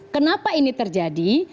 kenapa ini terjadi